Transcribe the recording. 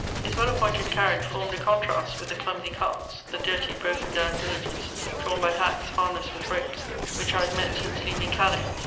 His well appointed carriage formed a contrast with the clumsy carts, the dirty, broken down diligences, drawn by hacks harnessed with ropes, which I had met since leaving Calais.